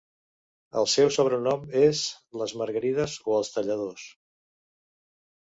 El seu sobrenom és "Les Margarides" o "Els Talladors".